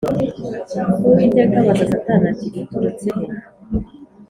Uwiteka abaza Satani ati “Uturutse he?